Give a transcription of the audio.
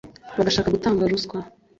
bagashaka gutanga ruswa